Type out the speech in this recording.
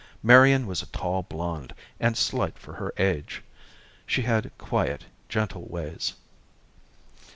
Marian was a tall blonde, and slight for her age. She had quiet, gentle ways.